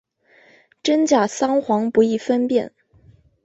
真假桑黄不易分辨。